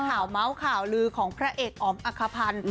ข่าวเมาท์ข่าวลือของพระเอกอ๋อมอัคพรรณ